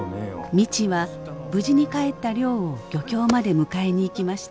未知は無事に帰った亮を漁協まで迎えに行きました。